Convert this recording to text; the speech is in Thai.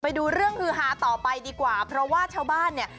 ไปดูเรื่องฮือฮาต่อไปดีกว่าเพราะว่าชาวบ้านเนี่ย